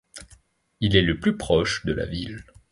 Il est le plus proche de la ville.